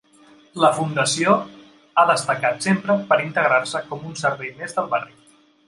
La fundació ha destacat sempre per integrar-se com un servei més del barri.